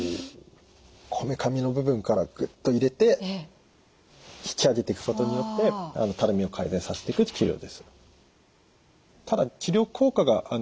こめかみの部分からグッと入れて引き上げていくことによってたるみを改善させていく治療です。